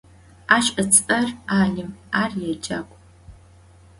Aş ıts'er Alim, ar yêcak'u.